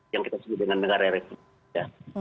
yang kita sebut dengan negara republik indonesia